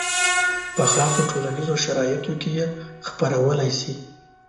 په خاصو ټولنیزو شرایطو کې یې خپرولی شي.